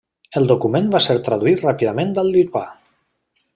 El document va ser traduït ràpidament al lituà.